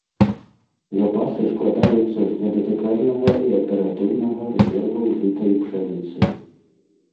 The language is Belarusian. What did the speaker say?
Запасы складаюцца з недатыкальнага і аператыўнага рэзерваў жыта і пшаніцы.